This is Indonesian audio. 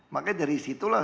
makanya dari situlah